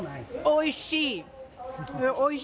おいしい。